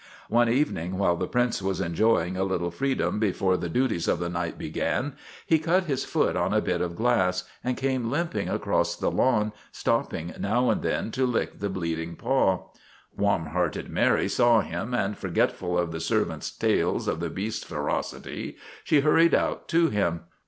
One evening, while the 138 STRIKE AT TIVERTON MANOR Prince was enjoying a little freedom before the duties of the night began, he cut his foot on a bit of glass and came limping across the lawn, stopping now and then to lick the bleeding paw. Warm hearted Mary saw him, and, forgetful of the serv ants' tales of the beast's ferocity, she hurried out to him.